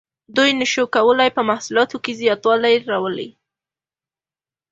دوی نشو کولی په محصولاتو کې زیاتوالی راولي.